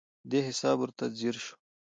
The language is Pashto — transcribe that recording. دې حساب ورته ځیر شو.